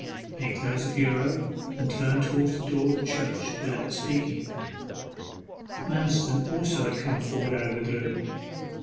They closed the bureau and turned towards the door of the church without speaking. Manston also had come forward out of the gloom.